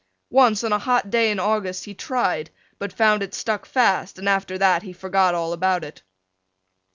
Once on a hot day in August he tried but found it stuck fast and after that he forgot all about it.